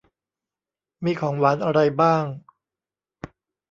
มีของหวานอะไรบ้าง